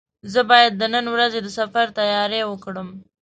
زه باید د نن ورځې د سفر تیاري وکړم.